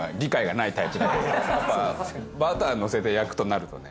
やっぱバターのせて焼くとなるとね。